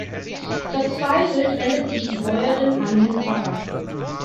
Verzweifelt wendet sich die Bäuerin an den Pfarrer.